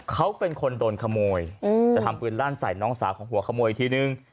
เขาเป็นคนโดนขโมยจะทำปืนลั่นใส่น้องสาวของหัวขโมยทีนึง